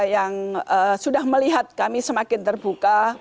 yang sudah melihat kami semakin terbuka